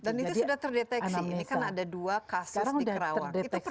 dan itu sudah terdeteksi ini kan ada dua kasus di kerawang